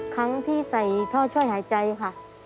ครั้งที่ใส่ท่อช่วยหายใจค่ะ